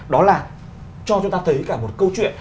đó là cho chúng ta thấy cả một câu chuyện